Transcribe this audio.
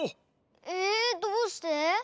えどうして？